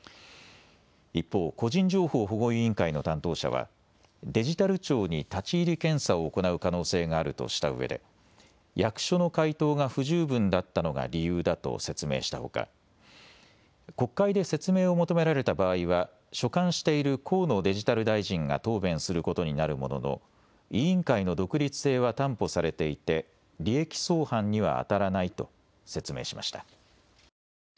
一方、個人情報保護委員会の担当者はデジタル庁に立ち入り検査を行う可能性があるとしたうえで役所の回答が不十分だったのが理由だと説明したほか国会で説明を求められた場合は所管している河野デジタル大臣が答弁することになるものの委員会の独立性は担保されていて利益相反にはあたらないと説明しました。